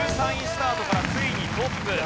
１３位スタートからついにトップ！